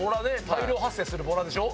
大量発生するボラでしょ？